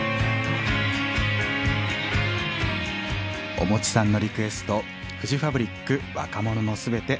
おもちさんのリクエストフジファブリック「若者のすべて」お送りしました。